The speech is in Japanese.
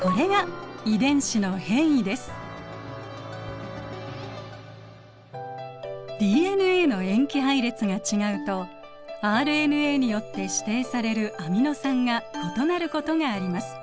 これがＤＮＡの塩基配列が違うとＲＮＡによって指定されるアミノ酸が異なることがあります。